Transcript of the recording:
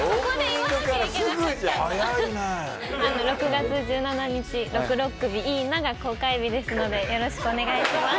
６月１７日「ろくろっ首イイな！」が公開日ですのでよろしくお願いします。